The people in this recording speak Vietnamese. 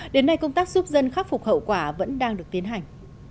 đến nay công tác giúp dân khắc phục hậu quả vẫn đang được tiến hành